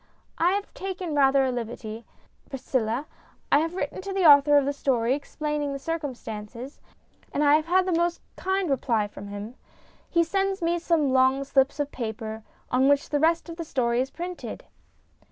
" I have taken rather a liberty, Priscilla. I have written to the author of the story, explaining the circumstances, and I have had a most kind reply 266 STORIES IN GREY from him. He sends me some long slips of paper on which the rest of the story is printed."